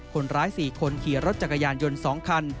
คนร้าย๔คนขี่รถจักรยานยนต์๒คัน